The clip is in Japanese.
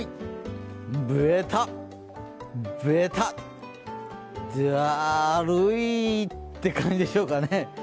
ベタ、ベタ、だるいって感じでしょうかね。